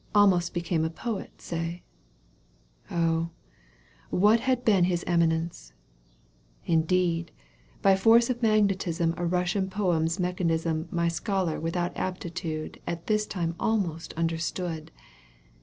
Almost became a poet say — Oh ! what had been his eminence ! Indeed, by force of magnetism A Eussian poem's mechanism My scholar without aptitude At this time almost understood.